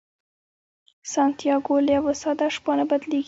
سانتیاګو له یوه ساده شپانه بدلیږي.